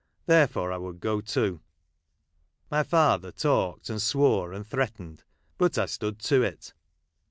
Therefore I would go too. My father talked, and swore, and threatened, but I stood to it.